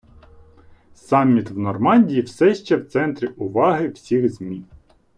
Саміт в Нормандії все ще в центрі уваги всіх ЗМІ